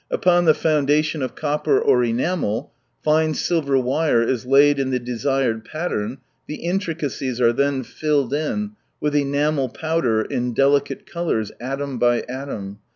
Upon the foundation of copper or enamel, fine silver wire is laid in the desired pattern, the intricacies are then filled in, with enamel powder in delicate colours, atom by atom.